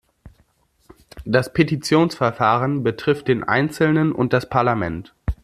Das Petitionsverfahren betrifft den Einzelnen und das Parlament.